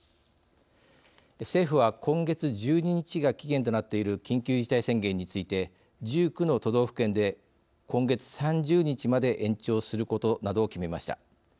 政府は、今月１２日が期限となっている緊急事態宣言について１９の都道府県で今月３０日まで延長することなどを決めました。